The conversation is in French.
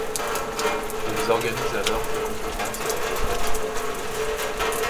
Elles organisent aussi des conférences et des retraites spirituelles au couvent.